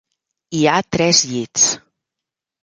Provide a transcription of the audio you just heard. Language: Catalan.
Hi ha tres llits.